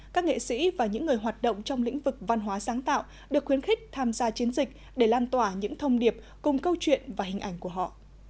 các nghệ sĩ và những người hoạt động trong lĩnh vực văn hóa sáng tạo được khuyến khích tham gia chiến dịch để lan tỏa những thông điệp cùng câu chuyện và hình ảnh của họ